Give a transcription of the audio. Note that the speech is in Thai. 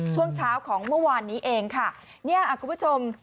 ช่วงเช้าของเมื่อวานนี้เองค่ะเนี่ยคุณผู้ชม